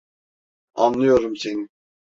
Anlıyorum seni.